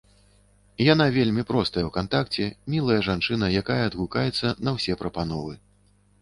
Яна вельмі простая ў кантакце, мілая жанчына, якая адгукаецца на ўсе прапановы.